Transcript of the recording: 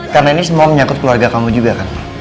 karena ini semua menyakut keluarga kamu juga kan